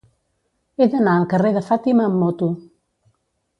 He d'anar al carrer de Fàtima amb moto.